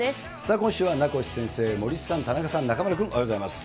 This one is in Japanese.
今週は名越先生、森さん、田中さん、中丸君、おはようございます。